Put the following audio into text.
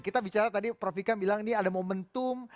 kita bicara tadi prof ikam bilang ini ada momentum